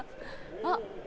あっ！